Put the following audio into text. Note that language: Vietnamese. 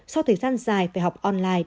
sau thời gian dài phải học online